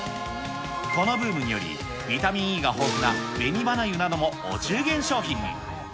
このブームにより、ビタミンＥが豊富なべに花油などもお中元商品に。